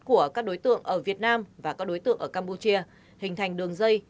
của các đối tượng ở việt nam và các đối tượng ở campuchia hình thành đường dây